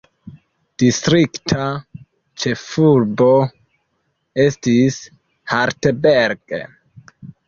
Distrikta ĉefurbo estis Hartberg.